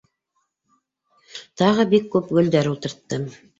Тағы бик күп гөлдәр ултырттым.